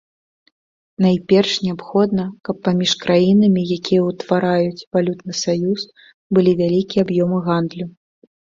Найперш неабходна, каб паміж краінамі, якія ўтвараюць валютны саюз, былі вялікія аб'ёмы гандлю.